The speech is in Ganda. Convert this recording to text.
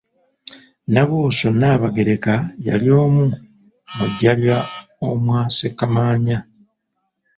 Nnabuuso Nnaabagereka yali omu mu ddya omwa Ssekamaanya.